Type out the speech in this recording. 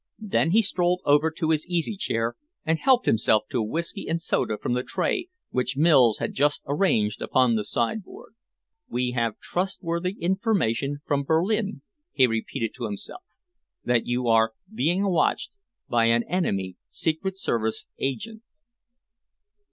Then he strolled over to his easy chair and helped himself to a whisky and soda from the tray which Mills had just arranged upon the sideboard. "We have trustworthy information from Berlin," he repeated to himself, "that you are being watched by an enemy secret service agent."